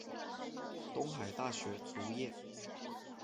东海大学卒业。